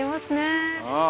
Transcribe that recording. ああ。